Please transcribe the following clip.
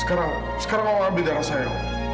sekarang sekarang kamu ambil darah saya